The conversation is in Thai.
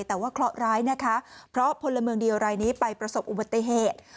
แต่ว่าเคราะห์ร้ายนะคะเพราะพลเมืองดีรายนี้ไปประสบอุบัติเหตุ